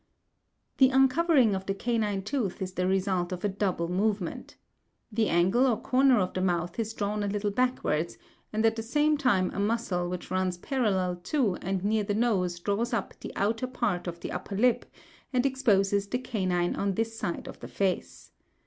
The uncovering of the canine tooth is the result of a double movement. The angle or corner of the mouth is drawn a little backwards, and at the same time a muscle which runs parallel to and near the nose draws up the outer part of the upper lip, and exposes the canine on this side of the face.